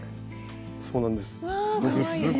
そうなんです